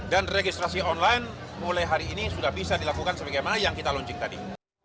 dan registrasi online mulai hari ini sudah bisa dilakukan seperti yang kita launching tadi